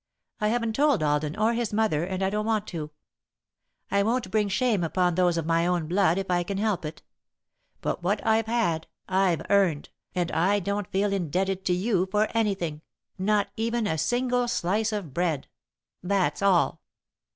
I haven't told Alden, or his mother, and I don't want to. I won't bring shame upon those of my own blood if I can help it. But what I've had, I've earned, and I don't feel indebted to you for anything, not even a single slice of bread. That's all."